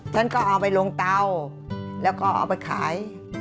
ท่านก็เอาไปลงเตาแล้วก็เอาไปขาย